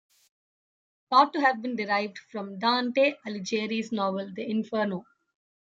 Thought to have been derived from Dante Alighieri's novel, The Inferno.